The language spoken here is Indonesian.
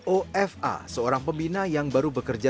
ofa seorang pembina yang baru bekerja